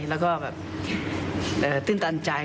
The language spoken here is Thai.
แล้วก็แบบตื่นตันใจ